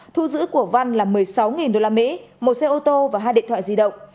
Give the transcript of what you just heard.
thu giữ của văn là một mươi sáu usd một xe ô tô và hai điện thoại di động